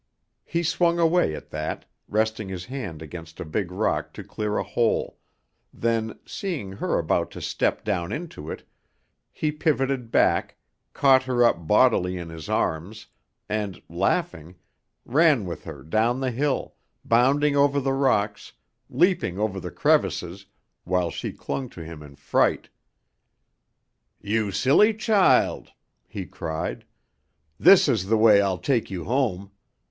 He swung away at that, resting his hand against a big rock to clear a hole; then, seeing her about to step down into it, he pivoted back, caught her up bodily in his arms, and, laughing, ran with her down the hill, bounding over the rocks, leaping over the crevices, while she clung to him in fright. "You silly child!" he cried. "This is the way I'll take you home.